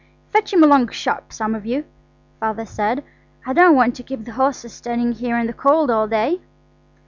"Fetch him along sharp–some of you," Father said; "I don't want to keep the horses standing here in the cold all day."